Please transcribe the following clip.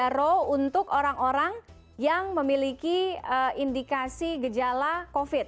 aro untuk orang orang yang memiliki indikasi gejala covid